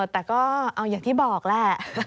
แต่ก็เอาอย่างที่บอกแหละ